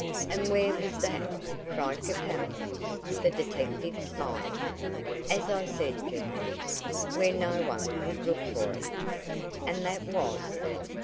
"And where was that?" cried Capel. The detective smiled. "As I said, gentlemen, where no one would look for it." "And that was?"